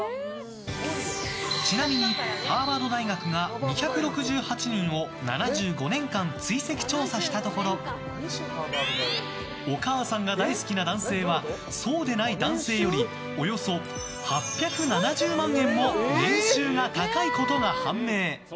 ちなみにハーバード大学が２６８人を７５年間追跡調査したところお母さんが大好きな男性はそうでない男性よりおよそ８７０万円も年収が高いことが判明！